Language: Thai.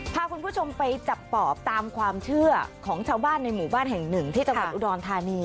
พาคุณผู้ชมไปจับปอบตามความเชื่อของชาวบ้านในหมู่บ้านแห่งหนึ่งที่จังหวัดอุดรธานี